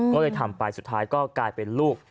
ก็เลยทำไปสุดท้ายก็กลายเป็นลูก